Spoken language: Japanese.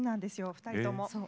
２人とも。